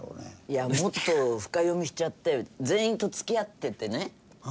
いやもっと深読みしちゃって全員と付き合っててね